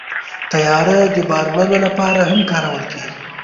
طیاره د بار وړلو لپاره هم کارول کېږي.